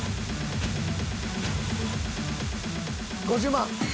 ５０万？